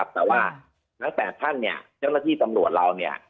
แต่ว่า๘ท่านเนี่ยเช่นเวลาที่ตำรวจเราเนี่ย